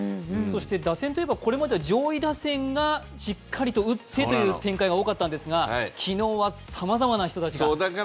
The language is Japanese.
打線といえばこれまでは上位打線がしっかりと打ってという展開が多かったんですが、昨日はさまざまな人たちがやってきましたね。